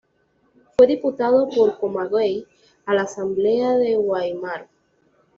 Fue diputado por Camagüey a la Asamblea de Guáimaro.